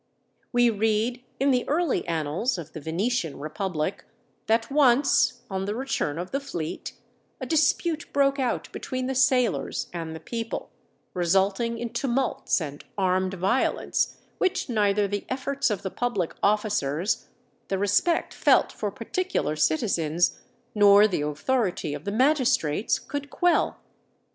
We read in the early annals of the Venetian Republic, that once, on the return of the fleet, a dispute broke out between the sailors and the people, resulting in tumults and armed violence which neither the efforts of the public officers, the respect felt for particular citizens, nor the authority of the magistrates could quell.